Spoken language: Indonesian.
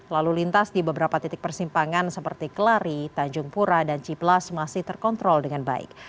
lalu lintas di beberapa titik persimpangan seperti kelari tanjung pura dan ciplas masih terkontrol dengan baik